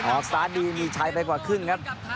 ออกซ้ายดีมีชัยไปกว่าครึ่งครับ